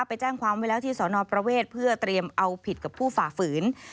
ไปแจ้งความไว้แล้วที่สนประเวทเพื่อเตรียมเอาผิดกับผู้ฝ่าฝืน